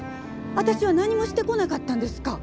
わたしは何もしてこなかったんですか？